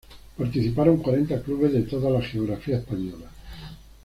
Participaron cuarenta clubes de toda la geografía española.